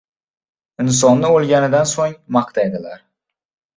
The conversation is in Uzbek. • Insonni o‘lganidan so‘ng maqtaydilar.